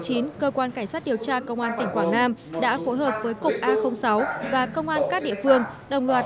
cơ quan cảnh sát điều tra công an tỉnh quảng nam đã phối hợp với cục a sáu và công an các địa phương đồng loạt